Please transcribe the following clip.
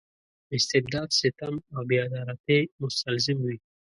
استبداد ستم او بې عدالتۍ مستلزم وي.